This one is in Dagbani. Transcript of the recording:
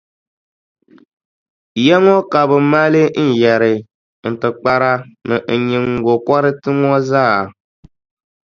Ya ŋɔ ka bɛ maali n yɛri, n tibikpara ni n nyiŋgokɔriti ŋɔ zaa.